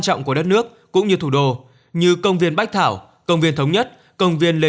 trọng của đất nước cũng như thủ đô như công viên bách thảo công viên thống nhất công viên lê